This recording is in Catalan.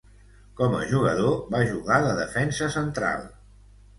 Com a jugador, va jugar de defensa central.